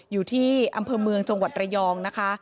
อยู่ที่อำเภอเมืองจังหวัดระยองนะคะ